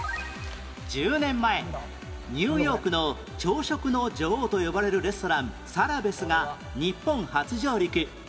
１０年前「ニューヨークの朝食の女王」と呼ばれるレストランサラベスが日本初上陸